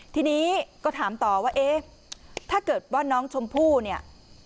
ทีนี้ก็ถามต่อว่าเอ๊ะถ้าเกิดว่าน้องชมพู่เนี่ย